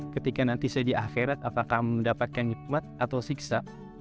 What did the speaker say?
ketika nanti saya di akhirat apakah mendapatkan hikmat atau siksa